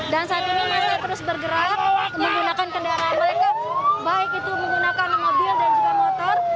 dan saat ini massa terus bergerak menggunakan kendaraan mereka baik itu menggunakan mobil dan juga motor